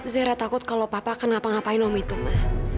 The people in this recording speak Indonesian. zaira takut kalau papa akan ngapa ngapain om itu ma